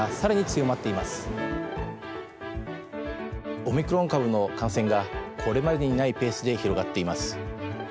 オミクロン株の感染がこれまでにないペースで広がっています。